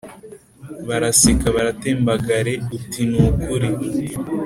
baraseka baratembagare uti nukuri?